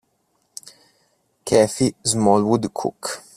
Kathy Smallwood-Cook